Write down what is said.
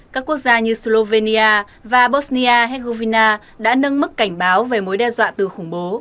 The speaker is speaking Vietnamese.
các quốc gia như slovenia và bosnia hezgovina đã nâng mức cảnh báo về mối đe dọa từ khủng bố